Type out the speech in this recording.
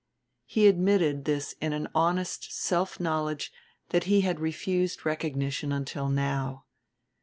He admitted this in an honest self knowledge that he had refused recognition until now.